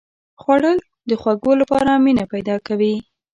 خوړل د خوږو لپاره مینه پیدا کوي